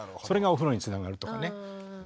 それがお風呂につながるとかね。